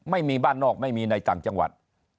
ไม่มีบ้านนอกไม่มีในต่างจังหวัด